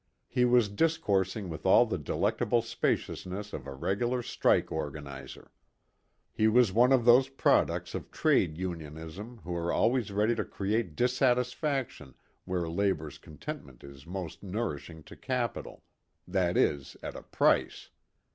He was discoursing with all the delectable speciousness of a regular strike organizer. He was one of those products of trade unionism who are always ready to create dissatisfaction where labour's contentment is most nourishing to capital that is, at a price.